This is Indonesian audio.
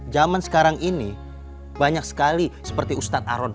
zaman sekarang ini banyak sekali seperti ustadz aron